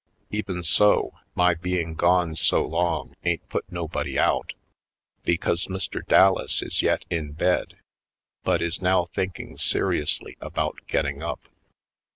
Even so, my being gone so long ain't put nobody out, because Mr. Dallas is yet in bed, but is now thinking seriously about getting up.